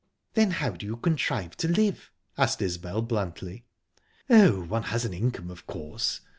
"Then how do you contrive to live?" asked Isbel bluntly. "Oh, one has an income, of course...